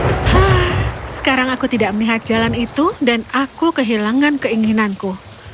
hah sekarang aku tidak melihat jalan itu dan aku kehilangan keinginanku